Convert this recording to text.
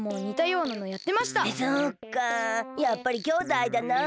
やっぱりきょうだいだなあ。